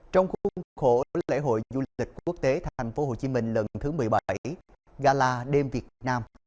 trong khu khổ lễ hội du lịch quốc tế thành phố hồ chí minh lần thứ một mươi bảy gala đêm việt nam